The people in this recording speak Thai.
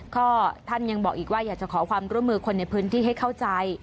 ก็ท่านยังบอกอีกว่าอยากจะขอความร่วมมือคนในพื้นที่ให้เข้าใจ